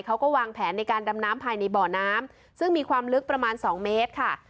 เขาก็วางแผนในการดำน้ำภายในบ่อน้ำซึ่งมีความลึกประมาณสองเมตรค่ะ